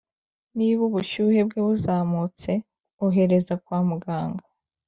niba ubushyuhe bwe buzamutse, ohereza kwa muganga